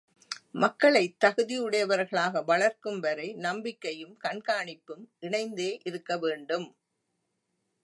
மக்களைத் தகுதியுடையவர்களாக வளர்க்கும் வரை நம்பிக்கையும் கண்காணிப்பும் இணைந்தே இருக்கவேண்டும்.